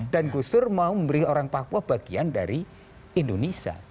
dan gustur mau memberi orang papua bagian dari indonesia